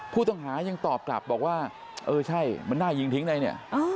ผู้ต้องหายังตอบกลับบอกว่าเออใช่มันน่ายิงทิ้งได้เนี่ย